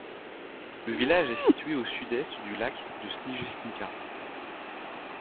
Le village est situé au sud-est du lac de Sniježnica.